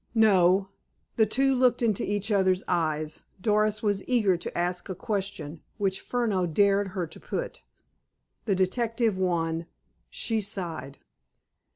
"No." The two looked into each other's eyes. Doris was eager to ask a question, which Furneaux dared her to put. The detective won. She sighed.